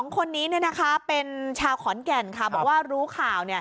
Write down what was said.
๒คนนี้เป็นชาวขอนแก่นค่ะบอกว่ารู้ข่าว